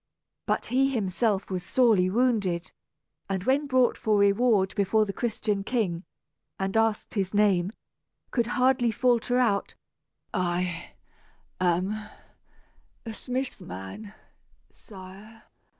But he was himself sorely wounded, and when brought for reward before the Christian king, and asked his name, could hardly falter out, "I am a smith's man, sire."